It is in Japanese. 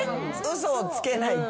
嘘をつけないって。